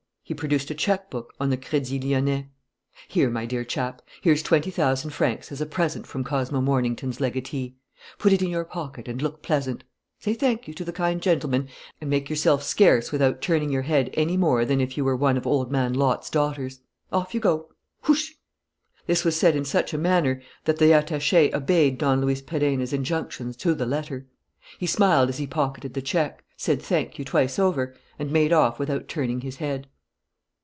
He produced a check book on the Crédit Lyonnais. "Here, my dear chap. Here's twenty thousand francs as a present from Cosmo Mornington's legatee. Put it in your pocket and look pleasant. Say thank you to the kind gentleman, and make yourself scarce without turning your head any more than if you were one of old man Lot's daughters. Off you go: hoosh!" This was said in such a manner that the attaché obeyed Don Luis Perenna's injunctions to the letter. He smiled as he pocketed the check, said thank you twice over, and made off without turning his head.